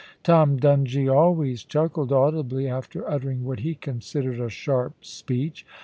Tom Dungie always chuckled audibly after uttering what he considered a sharp speech.